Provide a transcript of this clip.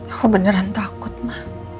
aku beneran takut ma